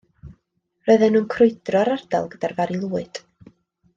Roedden nhw'n crwydro'r ardal gyda'r Fari Lwyd.